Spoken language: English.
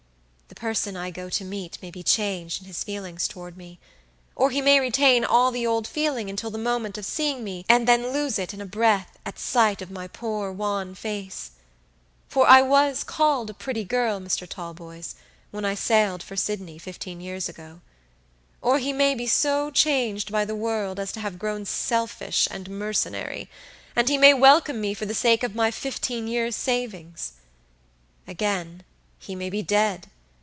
The person I go to meet may be changed in his feelings toward me; or he may retain all the old feeling until the moment of seeing me, and then lose it in a breath at sight of my poor wan face, for I was called a pretty girl, Mr. Talboys, when I sailed for Sydney, fifteen years ago; or he may be so changed by the world as to have grown selfish and mercenary, and he may welcome me for the sake of my fifteen years' savings. Again, he may be dead.